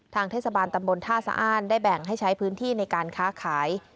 เทศบาลตำบลท่าสะอ้านได้แบ่งให้ใช้พื้นที่ในการค้าขาย